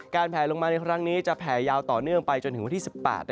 แผลลงมาในครั้งนี้จะแผลยาวต่อเนื่องไปจนถึงวันที่๑๘